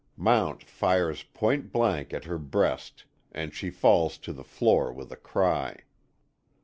Mount fires point blank at her breast and she falls to the floor with a cry.